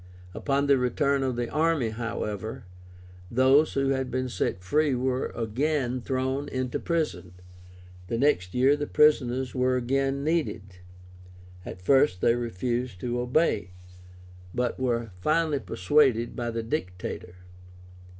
Upon the return of the army, however, those who had been set free were again thrown into prison. The next year the prisoners were again needed. At first they refused to obey, but were finally persuaded by the Dictator.